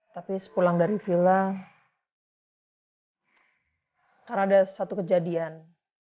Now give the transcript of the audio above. tapi sepulang dari villa karena ada satu kejadian